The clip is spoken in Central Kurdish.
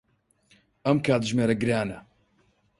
ئەم کاتژمێرە گرانە.